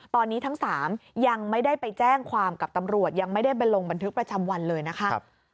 ตอนนี้ทั้ง๓ยังไม่ได้ไปแจ้งความกับตำรวจยังไม่ได้ไปลงบันทึกประจำวันเลยนะคะ